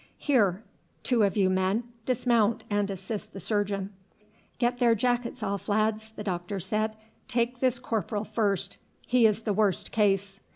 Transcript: Here, two of you men, dismount and assist the surgeon." "Get their jackets off, lads," the doctor said. "Take this corporal first; he is the worst case."